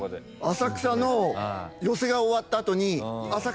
浅草の寄席が終わった後に。